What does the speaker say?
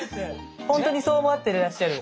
ほんとにそう思ってらっしゃる？